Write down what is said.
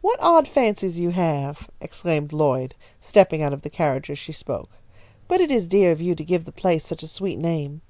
"What odd fancies you have!" exclaimed Lloyd, stepping out of the carriage as she spoke. "But it is dear of you to give the place such a sweet name.